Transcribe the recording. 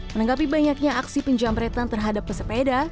menanggapi banyaknya aksi penjamretan terhadap pesepeda